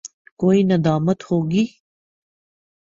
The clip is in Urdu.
کوئی ندامت ہو گی؟